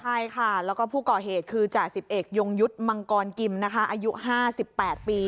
ใช่ค่ะแล้วก็ผู้ก่อเหตุคือจ่าสิบเอกยงยุทธ์มังกรกิมนะคะอายุ๕๘ปี